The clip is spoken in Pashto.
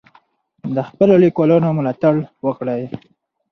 د خپلو لیکوالانو ملاتړ وکړئ.